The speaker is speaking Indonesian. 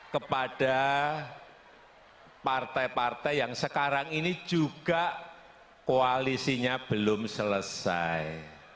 kepada partai partai yang sekarang ini juga koalisinya belum selesai